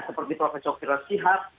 seperti prof chokir rasyihab